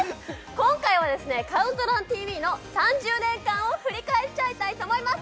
今回はですね「ＣＤＴＶ」の３０年間を振り返っちゃいたいと思います